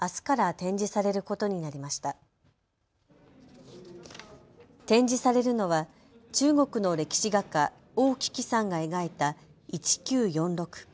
展示されるのは中国の歴史画家、王希奇さんが描いた一九四六。